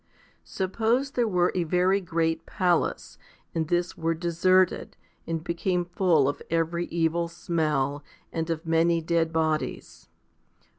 33. Suppose there were a very great palace, and this were deserted, and became full of every evil smell, and of many dead bodies.